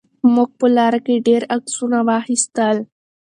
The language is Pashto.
موږ په لاره کې ډېر عکسونه واخیستل.